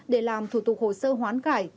để làm thủ tục hồ sơ hoán cải